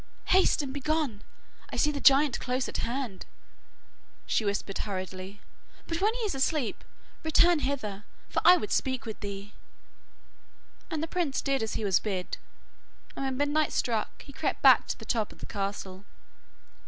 'Haste and begone, I see the giant close at hand,' she whispered hurriedly, 'but when he is asleep, return hither, for I would speak with thee.' And the prince did as he was bid, and when midnight struck he crept back to the top of the castle.